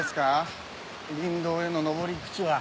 林道への登り口は。